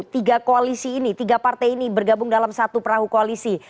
tiga koalisi ini tiga partai ini bergabung dalam satu perahu koalisi